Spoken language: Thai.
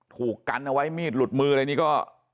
ถูกกันเอาไว้มีดหลุดมืออะไรนี่ก็